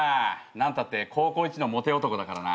何たって高校いちのモテ男だからな。